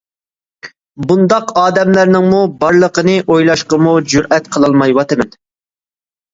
بۇنداق ئادەملەرنىڭمۇ بارلىقىنى ئويلاشقىمۇ جۈرئەت قىلالمايۋاتىمەن!